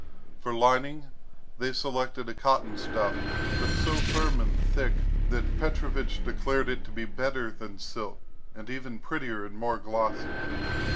For lining, they selected a cotton stuff, but so firm and thick, that Petrovich declared it to be better than silk, and even prettier and more glossy.